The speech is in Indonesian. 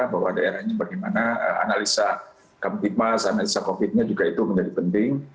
bahwa daerahnya bagaimana analisa covid sembilan belas nya juga itu menjadi penting